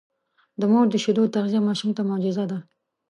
د مور د شیدو تغذیه ماشوم ته معجزه ده.